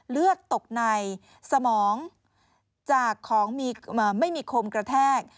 เลือดตกในสมองจากของมีไม่มีคมกระแทก